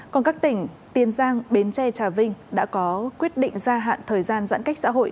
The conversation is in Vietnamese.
còn các tỉnh tiền giang bến tre trà vinh đã có quyết định gia hạn thời gian giãn cách xã hội